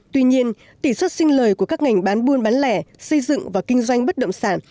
tuy nhiên tỷ suất sinh lời của các ngành bán buôn bán lẻ xây dựng và kinh doanh bất động sản